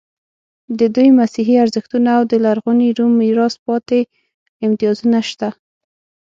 د دوی مسیحي ارزښتونه او د لرغوني روم میراث پاتې امتیازونه شته.